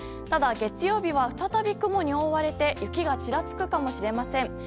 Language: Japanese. ただ月曜日は、再び雲に覆われて雪がちらつくかもしれません。